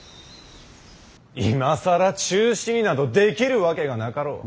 今更中止になどできるわけがなかろう。